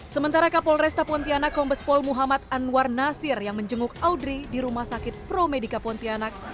sementara kapolres tap pontianak kombespol muhammad anwar nasir yang menjenguk audrey di rumah sakit pro medica pontianak